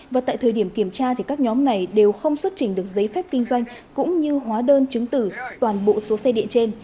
và tại thời điểm kiểm tra các nhóm này đều không xuất trình được giấy phép kinh doanh cũng như hóa đơn chứng tử toàn bộ số xe điện trên